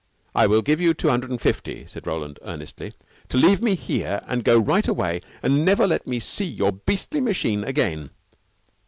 "I will give you two hundred and fifty," said Roland earnestly, "to leave me here, and go right away, and never let me see your beastly machine again."